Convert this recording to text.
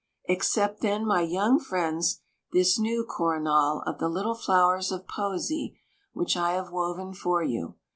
Accept, then, my young Friends, this new CORONAL of the little flowers of poesy which I have woven for you.